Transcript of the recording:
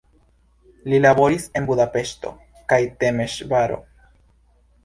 Li laboris en Budapeŝto kaj Temeŝvaro.